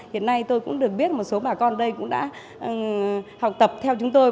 hiện nay tôi cũng được biết một số bà con đây cũng đã học tập theo chúng tôi